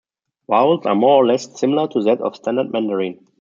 Vowels are more-or-less similar to that of Standard Mandarin.